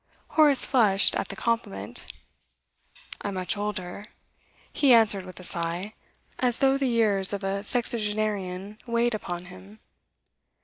Horace flushed at the compliment. 'I'm much older,' he answered with a sigh, as though the years of a sexagenarian weighed upon him.